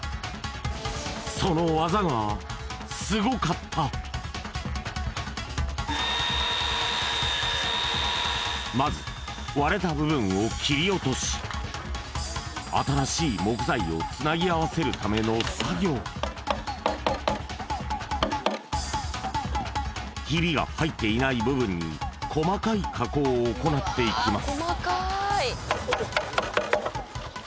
そのワザがすごかったまず割れた部分を切り落とし新しい木材をつなぎあわせるための作業ヒビが入っていない部分に細かい加工を行っていきます